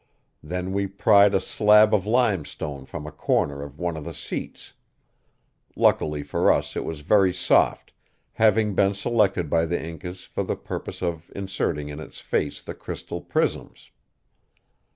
Then we pried a slab of limestone from a corner of one of the seats; luckily for us it was very soft, having been selected by the Incas for the purpose of inserting in its face the crystal prisms.